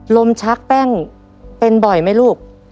ชักแป้งเป็นบ่อยไหมลูก